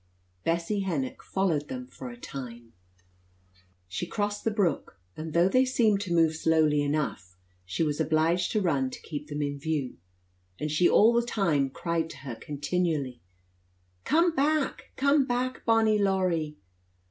Bessie Hennock followed them for a time. She crossed the brook, and though they seemed to move slowly enough, she was obliged to run to keep them in view; and she all the time cried to her continually, "Come back, come back, bonnie Laurie!"